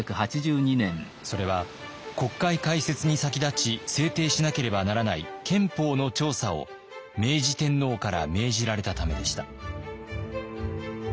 それは国会開設に先立ち制定しなければならない憲法の調査を明治天皇から命じられたためでした。